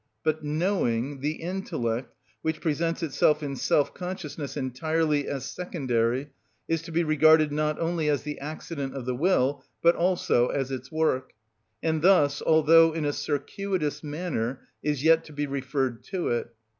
But knowing, the intellect, which presents itself in self consciousness entirely as secondary, is to be regarded not only as the accident of the will, but also as its work, and thus, although in a circuitous manner, is yet to be referred to it.